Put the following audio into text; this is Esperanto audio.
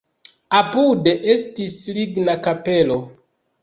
Apude estis ligna kapelo.